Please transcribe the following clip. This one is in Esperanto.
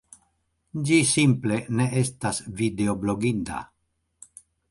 Ĝi simple ne estas videobloginda...